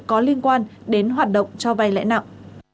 có liên quan đến hoạt động cho vay lãi nặng